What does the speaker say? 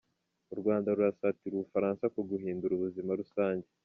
U Rwanda rurasatira u Bufaransa ku guhindura ubuzima rusange.